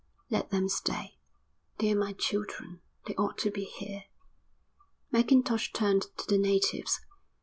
"Let them stay. They're my children. They ought to be here." Mackintosh turned to the natives.